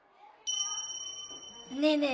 ねえねえ